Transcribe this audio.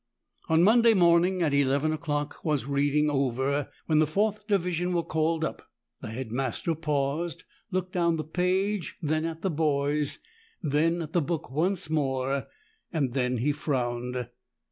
On Monday morning at eleven o'clock was reading over. When the fourth division were called up, the Head Master paused, looked down the page, then at the boys, then at the book once more; then he frowned.